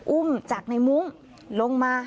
อุ้มจากในมุ้งลงมา